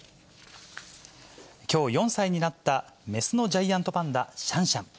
きょう４歳になった、雌のジャイアントパンダ、シャンシャン。